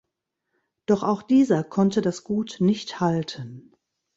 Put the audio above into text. Doch auch dieser konnte das Gut nicht halten.